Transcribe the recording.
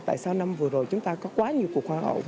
tại sao năm vừa rồi chúng ta có quá nhiều cuộc hoa hậu